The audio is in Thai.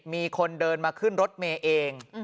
มีคนเดินมาขึ้นรถเมย์เอง